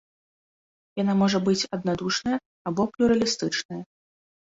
Яна можа быць аднадушная або плюралістычная.